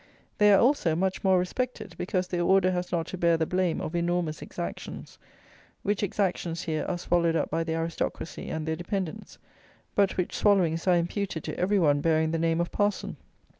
They are, also, much more respected, because their order has not to bear the blame of enormous exactions; which exactions here are swallowed up by the aristocracy and their dependents; but which swallowings are imputed to every one bearing the name of parson.